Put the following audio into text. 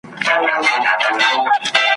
یواځې د دغې معاملې یوه برخه بللې ده